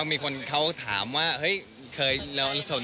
เงินแต่งงาน